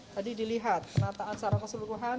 tadi dilihat penataan secara keseluruhan